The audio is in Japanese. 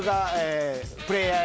プレーヤー？